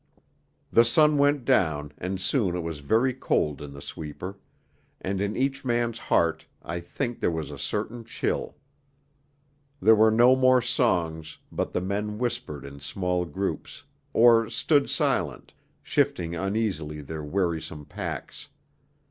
The sun went down, and soon it was very cold in the sweeper: and in each man's heart I think there was a certain chill. There were no more songs, but the men whispered in small groups, or stood silent, shifting uneasily their wearisome packs.